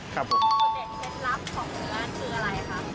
ส่วนเด่นที่เป็นลักษณ์ของเนื้อคืออะไรครับ